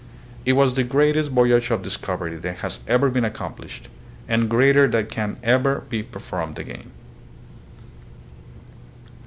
It was the greatest voyage of discovery that has ever been accomplished, and greater than can ever be per formed again.